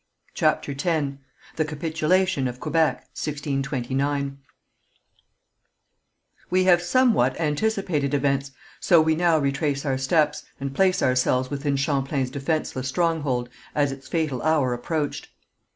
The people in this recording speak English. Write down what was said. CHAPTER X THE CAPITULATION OF QUEBEC, 1629 We have somewhat anticipated events, so we now retrace our steps, and place ourselves within Champlain's defenceless stronghold as its fatal hour approached.